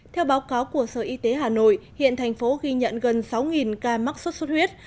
theo báo cáo của sở y tế hà nội hiện thành phố ghi nhận gần sáu ca mắc sốt xuất huyết